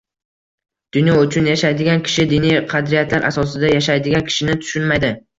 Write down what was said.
Dunyo uchun yashaydigan kishi diniy qadriyatlar asosida yashaydigan kishini tushunmaydi